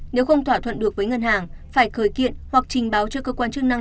nếu không thỏa thuận được với ngân hàng phải khởi kiện hoặc trình báo cho cơ quan chức năng